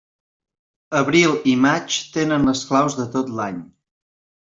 Abril i maig tenen les claus de tot l'any.